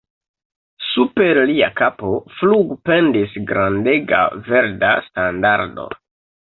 Super lia kapo flugpendis grandega verda standardo!